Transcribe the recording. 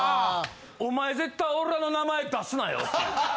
「お前絶対俺らの名前出すなよ」っていう。